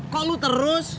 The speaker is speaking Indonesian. kok lu terus